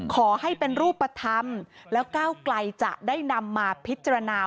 ขอให้เป็นรูปธรรมแล้วก้าวไกลจะได้นำมาพิจารณา